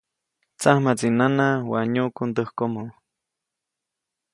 Tsamjaʼtsi nana waʼa nyuʼku ndäkomoʼ.